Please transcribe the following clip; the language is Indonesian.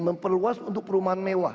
memperluas untuk perumahan mewah